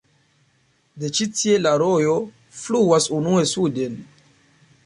De ĉi-tie la rojo fluas unue suden.